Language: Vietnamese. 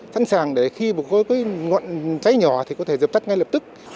sẵn sàng để khi một cái ngọn cháy nhỏ thì có thể dập tắt ngay lập tức